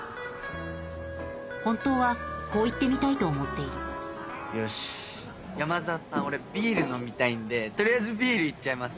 本当はこう言ってみたいと思っている「よし山里さん俺ビール飲みたいんで取りあえずビールいっちゃいます？」